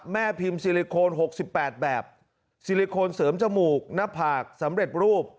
แม่พิมพ์ซีรีโคนหกสิบแปดแบบซีรีโคนเสริมจมูกหน้าผากสำเร็จรูป